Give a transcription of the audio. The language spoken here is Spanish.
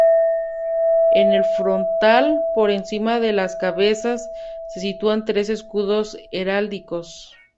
En el frontal, por encima de las cabezas, se sitúan tres escudos heráldicos.